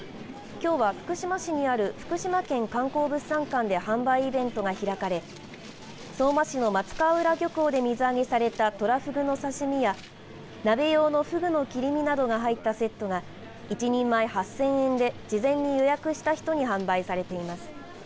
きょうは福島市にある福島県観光物産館で販売イベントが開かれ相馬市の松川浦漁港で水揚げされたトラフグの刺身や鍋用のフグの切り身などが入ったセットが１人前８０００円で事前に予約した人に販売されています。